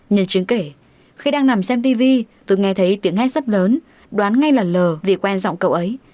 nhân chứng kể khi đang nằm xem tv tôi nghe thấy tiếng hét rất lớn đoán ngay là l vì quen giọng cậu ấy